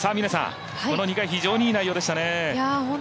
この２回、非常にいい内容でしたね。